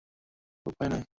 আমাদের আর কোন উপায় নেই।